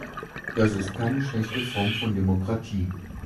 Das ist keine schlechte Form von Demokratie.